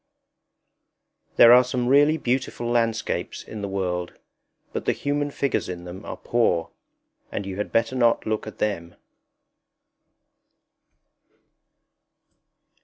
There are some really beautifully landscapes in the world, but the human figures in them are poor, and you had not better look at them.